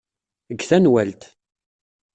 Deg tenwalt.